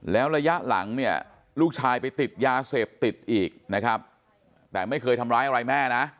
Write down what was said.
แล้วระยะหลังเนี่ยลูกชายไปติดยาเสพติดอีกนะครับแต่ไม่เคยทำร้ายอะไรแม่นะ